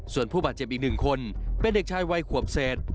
ส่วนผู้บาดเจ็บอีก๑คนเป็นเด็กชายวัยขวบเศษ